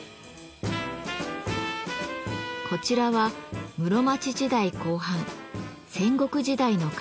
こちらは室町時代後半戦国時代の刀です。